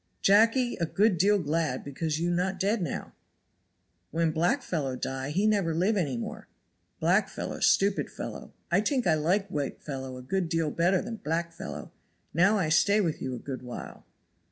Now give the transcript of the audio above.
"Jacky a good deal glad because you not dead now. When black fellow die he never live any more. Black fellow stupid fellow. I tink I like white fellow a good deal bigger than black fellow. Now I stay with you a good while."